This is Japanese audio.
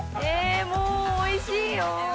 もうおいしいよ！